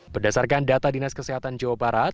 berdasarkan data dinas kesehatan jawa barat